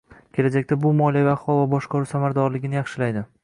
Kelajakda bu moliyaviy ahvol va boshqaruv samaradorligini yaxshilaydi.